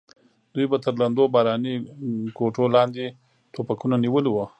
دوی به تر لندو باراني کوټو لاندې ټوپکونه نیولي وو.